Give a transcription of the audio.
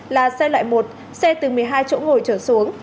là xe loại một xe từ một mươi hai chỗ ngồi trở xuống